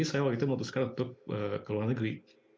saya waktu itu memutuskan untuk ke luar negeri